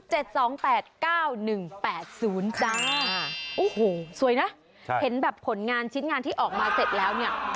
โอ้โหสวยนะเห็นแบบผลงานชิ้นงานที่ออกมาเสร็จแล้วเนี่ย